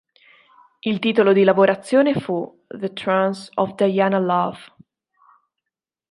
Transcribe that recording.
Il titolo di lavorazione fu "The Trance of Diana Love".